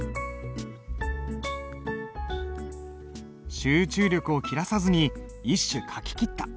集中力を切らさずに一首書ききった。